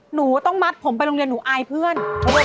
หนูต้องมัดผมไปโรงเรียนหนูอายเพื่อน